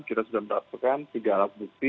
kita sudah mendapatkan tiga alat bukti